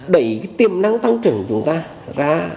đẩy tiềm năng tăng trưởng chúng ta